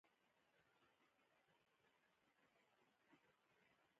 د تابوګانو جوړولو مثالونه